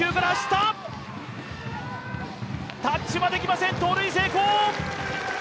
タッチはできません盗塁成功！